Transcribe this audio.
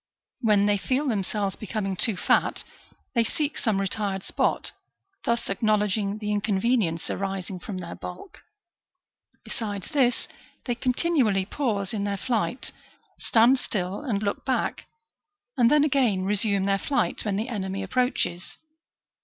When they feel themselves becoming too fat, they seek some retired spot, thus acknowledging the inconvenience arising from their bulk. Besides this, they continually pause in their flight, stand still and look back, and then again resume their flight when the enemy approaches.